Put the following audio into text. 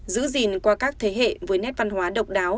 giữ gìn qua các thế hệ với nét văn hóa độc đáo